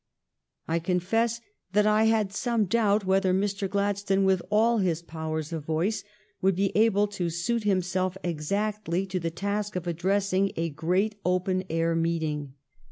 I confess that I had some doubt whether Mr. Glad stone, with all his powers of voice, would be able to suit himself exactly to the task of addressing a great open air meeting.